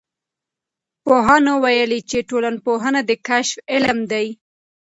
پوهانو ویلي چې ټولنپوهنه د کشف علم دی.